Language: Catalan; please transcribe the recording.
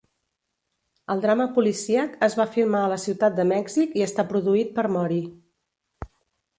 El drama policíac es va filmar a la ciutat de Mèxic i està produït per Mori.